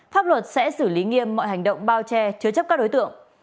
pháp luật sẽ xử lý nghiêm mọi hành động bao che chứa chấp các đối tượng